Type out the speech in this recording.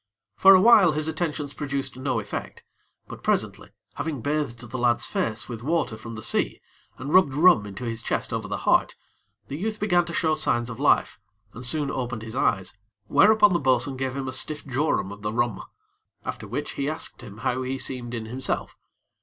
For awhile, his attentions produced no effect; but presently, having bathed the lad's face with water from the sea, and rubbed rum into his chest over the heart, the youth began to show signs of life, and soon opened his eyes, whereupon the bo'sun gave him a stiff jorum of the rum, after which he asked him how he seemed in himself.